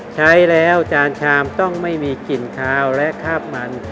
ใช้แล้วจานชามต้องไม่มีกลิ่นคาวและคาบมัน